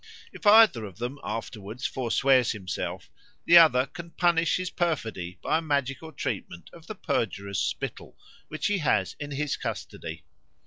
If either of them afterwards foreswears himself, the other can punish his perfidy by a magical treatment of the purjurer's spittle which he has in his custody.